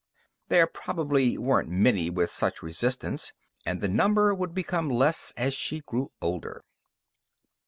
There probably weren't many with such resistance, and the number would become less as she grew older.